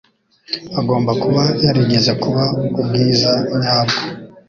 Agomba kuba yarigeze kuba ubwiza nyabwo.